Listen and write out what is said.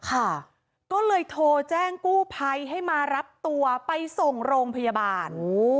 ก็เลยโทรแจ้งกู้ภัยให้มารับตัวไปส่งโรงพยาบาล